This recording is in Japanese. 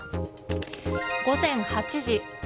午前８時。